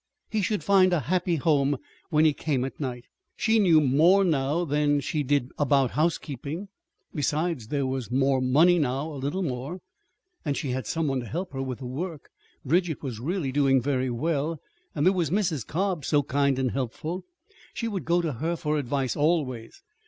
He should find a happy home when he came at night. She knew more, now, than she did, about housekeeping. Besides, there was more money now, a little more, and she had some one to help her with the work. Bridget was really doing very well; and there was Mrs. Cobb, so kind and helpful. She would go to her for advice always.